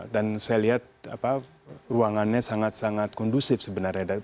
dan saya lihat ruangannya sangat sangat kondusif sebenarnya